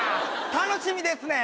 楽しみですね。